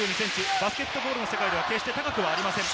バスケットボールの世界では決して高くはありません。